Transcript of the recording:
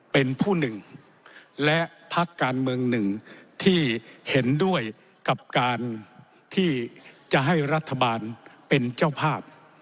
เป็นผู้หนึ่งและพักการเมืองหนึ่งที่เห็นด้วยกับการที่จะให้รัฐบาลเป็นเจ้าภาพ